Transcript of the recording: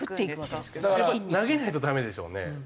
投げないとダメでしょうね。